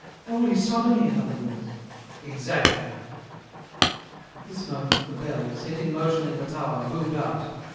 '" "Holy sodomy, in other words?" "Exactly." At this moment the bell, set in motion in the tower, boomed out.